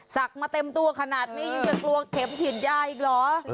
ศักดิ์มาเต็มตัวขนาดนี้จะกลัวเข็มฉีดยาอีกหรอ